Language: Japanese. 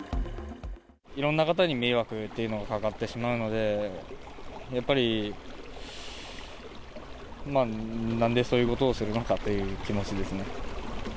いろんな方に迷惑っていうのがかかってしまうので、やっぱりなんでそういうことをするのかという気持ちですね。